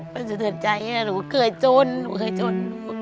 มันจะเถิดใจนะหนูเคยจนหนูเคยจน